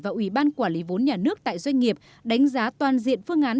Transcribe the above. và ủy ban quản lý vốn nhà nước tại doanh nghiệp đánh giá toàn diện phương án